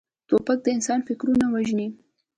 توپک د انسان فکرونه وژني.